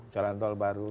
jalan tol baru